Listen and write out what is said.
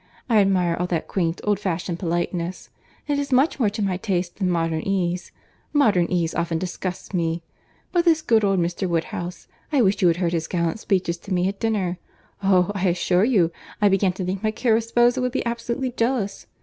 I admire all that quaint, old fashioned politeness; it is much more to my taste than modern ease; modern ease often disgusts me. But this good old Mr. Woodhouse, I wish you had heard his gallant speeches to me at dinner. Oh! I assure you I began to think my caro sposo would be absolutely jealous.